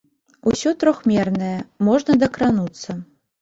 Усё трохмернае, можна дакрануцца.